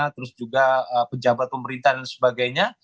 terus juga pejabat pemerintah dan sebagainya